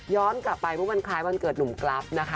ย้อนกลับไปเพราะมันคล้ายวันเกิดหนุ่มกรัฟนะคะ